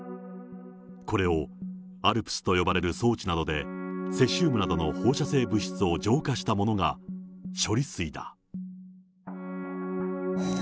これをＡＬＰＳと呼ばれる装置などで、セシウムなどの放射性物質を浄化したものが処理水だ。